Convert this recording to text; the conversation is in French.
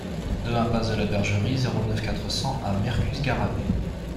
deux impasse de la Bergerie, zéro neuf, quatre cents à Mercus-Garrabet